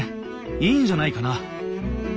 いいんじゃないかな。